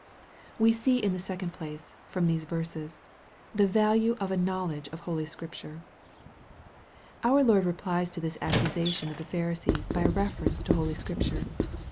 We see, in the second place, from these verses, the value of a knowledge of holy Scripture. Our Lord replies to this accusation of the Pharisees by a reference to holy Scripture.